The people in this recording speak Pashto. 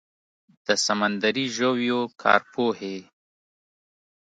د سمندري ژویو کارپوهې